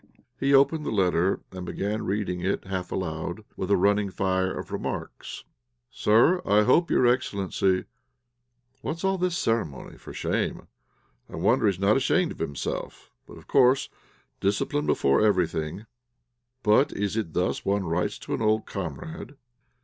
He opened the letter, and began reading it half aloud, with a running fire of remarks "'Sir, I hope your excellency' What's all this ceremony? For shame! I wonder he's not ashamed of himself! Of course, discipline before everything; but is it thus one writes to an old comrade?